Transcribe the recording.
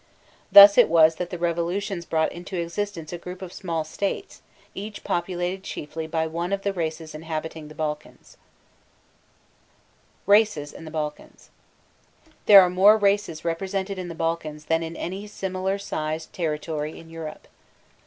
Thus it was that the revolutions brought into existence a group of small states, each populated chiefly by one of the races inhabiting the Balkans. [Illustration: THE BALKAN STATES 1913] RACES IN THE BALKANS. There are more races represented in the Balkans than in any similar sized territory in Europe.